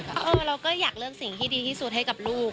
เราก็อยากเลือกสิ่งที่ดีที่สุดให้กับลูก